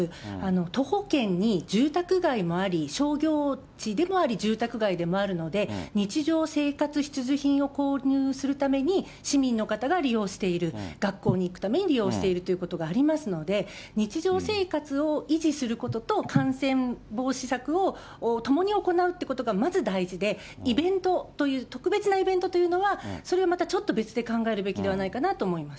徒歩圏に住宅街もあり、商業地でもあり、住宅街でもあるので、日常生活必需品を購入するために、市民の方が利用している、学校に行くために利用しているということがありますので、日常生活を維持することと、感染防止策をともに行うっていうことがまず大事で、イベントという特別なイベントというのは、それはまたちょっと別で考えるべきではないかなと思います。